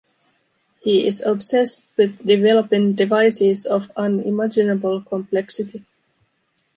He is obsessed with developing devices of unimaginable complexity.